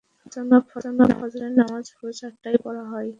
জনাব, ফজরের নামাজ ভোর পাঁচটায় পড়া হয়।